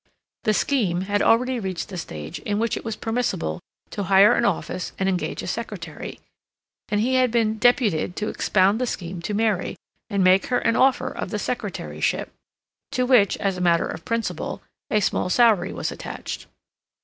The scheme had already reached the stage in which it was permissible to hire an office and engage a secretary, and he had been deputed to expound the scheme to Mary, and make her an offer of the Secretaryship, to which, as a matter of principle, a small salary was attached.